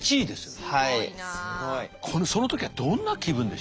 その時はどんな気分でした？